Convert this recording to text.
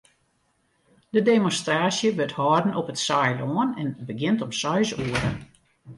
De demonstraasje wurdt hâlden op it Saailân en begjint om seis oere.